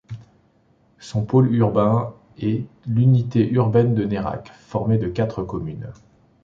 Son pôle urbain est l'unité urbaine de Nérac, formée de quatre communes.